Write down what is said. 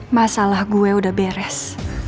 masalah gue udah beres